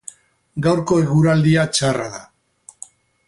Gaurko eguraldia txarra da